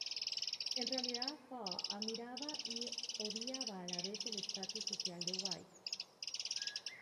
En realidad, Thaw admiraba y odiaba a la vez el estatus social de White.